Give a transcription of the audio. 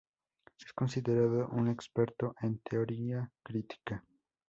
Es considerado un experto en Teoría crítica.